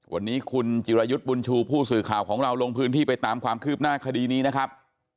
วันนี้คุณจิรายุทธ์บุญชูผู้สื่อข่าวของเราลงพื้นที่ไปตามความคืบหน้าคดีนี้นะครับ